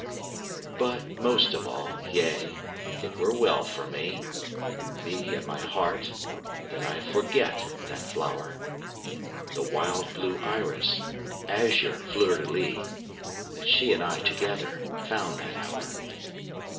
But most of all, yea, it were well for me, Me and my heart, that I forget that flower, The wild blue iris, azure fleur de lis, That she and I together found that hour.